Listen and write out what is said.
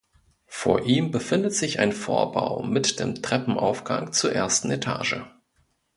Vor ihm befindet sich ein Vorbau mit dem Treppenaufgang zur ersten Etage.